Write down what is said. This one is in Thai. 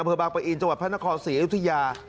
อเมอร์บังปะอินจังหวัดพระนคร๔อายุทธิยา